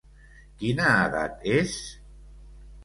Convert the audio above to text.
Quina edat és?